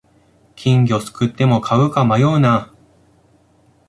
金魚すくっても飼うか迷うな